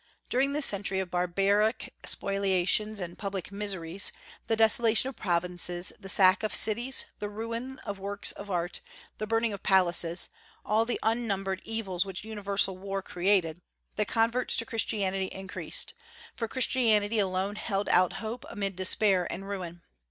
During this century of barbaric spoliations and public miseries, the desolation of provinces, the sack of cities, the ruin of works of art, the burning of palaces, all the unnumbered evils which universal war created, the converts to Christianity increased, for Christianity alone held out hope amid despair and ruin.